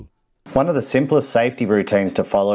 salah satu rutin keamanan yang paling mudah untuk diikuti adalah